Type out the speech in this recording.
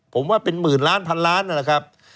ผมว่าเป็นหมื่นล้านพันล้านนะครับ